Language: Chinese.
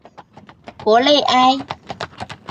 博内埃。